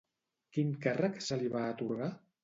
Quin càrrec se li va atorgar?